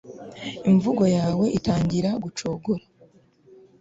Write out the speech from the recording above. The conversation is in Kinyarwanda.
imvugo yawe itangira gucogora